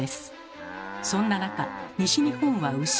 そんな中「西日本は牛」